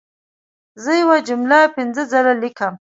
زه یوه جمله پنځه ځله لیکم.